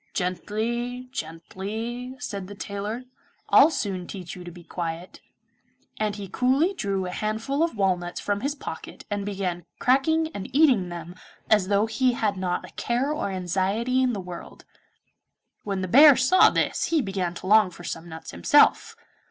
'Gently, gently,' said the tailor, 'I'll soon teach you to be quiet,' and he coolly drew a handful of walnuts from his pocket and began cracking and eating them as though he had not a care or anxiety in the world. When the bear saw this he began to long for some nuts himself.